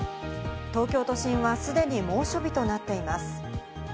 東京都心は既に猛暑日となっています。